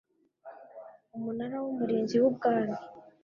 umunara w umurinzi w’ubwami